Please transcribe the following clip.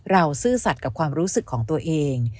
ซื่อสัตว์กับความรู้สึกของตัวเอง